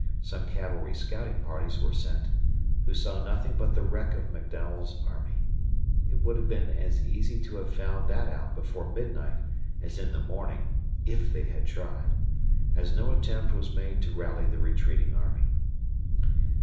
Some cavalry scouting parties were sent, who saw nothing but the wreck of McDowell's army. It would have been as easy to have found that out before midnight as in the morning, if they had tried, as no attempt was made to rally the retreating army.